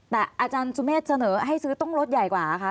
แต่อาจารย์สุเมฆเสนอให้ซื้อต้องรถใหญ่กว่าคะ